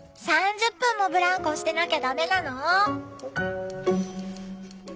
３０分もブランコしてなきゃダメなの？